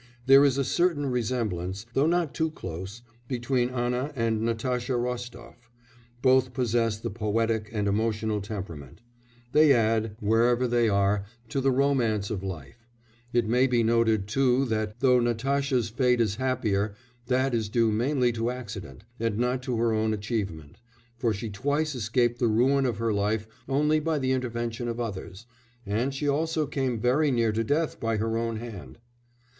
There is a certain resemblance, though not too close, between Anna and Natasha Rostof; both possess the poetic and emotional temperament; they add, wherever they are, to the romance of life; it may be noted too that, though Natasha's fate is happier, that is due mainly to accident, and not to her own achievement, for she twice escaped the ruin of her life only by the intervention of others, and she also came very near to death by her own hand.